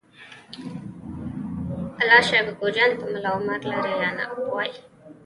الله شا کوکو جان ته ملا عمر لرې یا نه؟